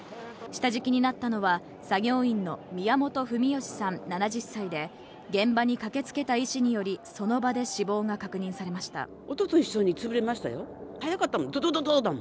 下敷きになったのは、作業員の宮本文義さん７０歳で、現場に駆けつけた医師により、その場で死亡が確認されました。